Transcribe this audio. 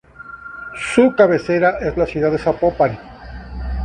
Su cabecera es la ciudad de Zapopan.